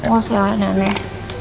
oh saya aneh aneh